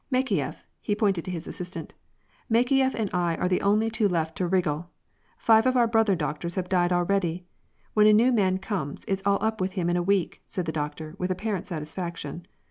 Makeyef," he pointed to his assistant, " Makeyef and I are the only two left to wriggle ! Five of our brother doctors have died already. When a new man comes, it's all up with him in a week," said the doctor, with apparent satisfaction.